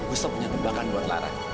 om gustaf punya tembakan buat lara